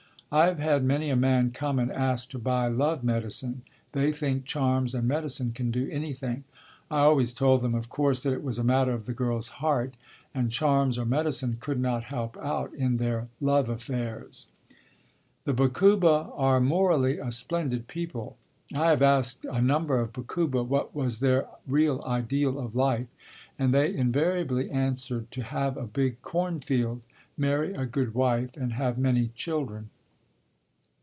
I have had many a man come and ask to buy love medicine. They think charms and medicine can do anything. I always told them, of course, that it was a matter of the girl's heart, and charms or medicine could not help out in their "love affairs." The Bakuba are morally a splendid people. I have asked a number of Bakuba what was their real ideal of life, and they invariably answered to have a big corn field, marry a good wife, and have many children.